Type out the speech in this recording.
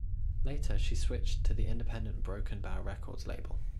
Later, she switched to the independent Broken Bow Records label.